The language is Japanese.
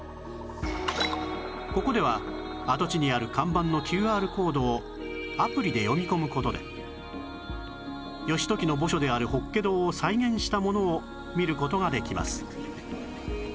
ここでは跡地にある看板の ＱＲ コードをアプリで読み込む事で義時の墓所である法華堂を再現したものを見る事ができます